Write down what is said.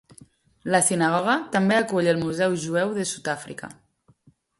La sinagoga també acull el museu jueu de Sud-àfrica.